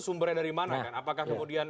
sumbernya dari mana kan apakah kemudian